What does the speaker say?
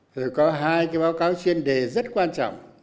rồi có hai cái báo cáo chuyên đề rất quan trọng